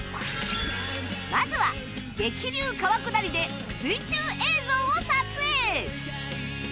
まずは激流川下りで水中映像を撮影！